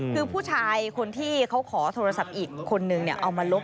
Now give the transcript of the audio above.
คือผู้ชายคนที่เขาขอโทรศัพท์อีกคนนึงเอามาลบ